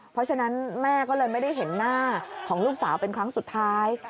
เพราะฉะนั้นแม่ก็เลยไม่ได้เห็นหน้าของลูกสาวเป็นครั้งสุดท้าย